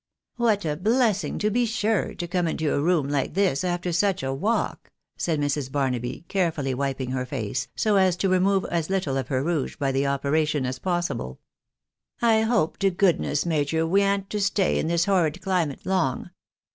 " What a blessing, to be sure, to come into a room like this, after such a walk," said Mrs. Barnaby, carefully wiping her face, so as to remove as little of her rouge by the operation as possible. " I hope to goodness, major, we arn't to stay in this horrid cUmate long.